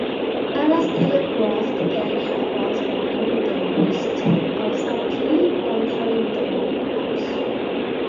Others telegraphed their curve balls by bending their wrists, or subtly altering their wind-ups.